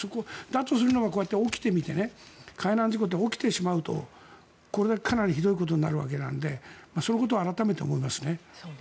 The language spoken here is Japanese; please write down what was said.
だとするのはこういうことが起きてみて海難事故って起きてしまうとこれだけ、かなりひどいことになるわけなのでそういうことを改めて思いますね。